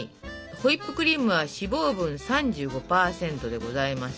ホイップクリームは脂肪分３５％でございます。